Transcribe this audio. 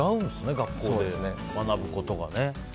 学校で学ぶことがね。